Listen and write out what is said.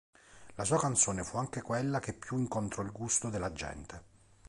La sua canzone fu anche quella che più incontrò il gusto della gente.